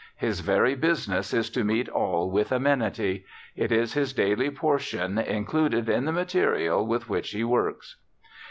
His very business is to meet all with amenity. It is his daily portion, included in the material with which he works.